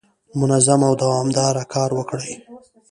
منظم او دوامداره کار وکړئ.